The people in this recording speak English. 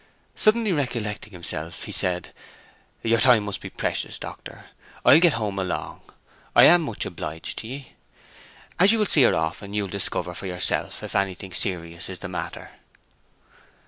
Suddenly recollecting himself, he said, "Your time must be precious, doctor. I'll get home along. I am much obliged to ye. As you will see her often, you'll discover for yourself if anything serious is the matter."